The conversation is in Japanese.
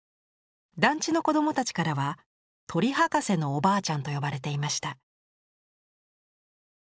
団地の子どもたちからは「鳥博士のおばあちゃん」と呼ばれていました。